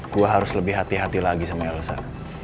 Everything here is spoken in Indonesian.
gue harus lebih hati hati lagi sama elsa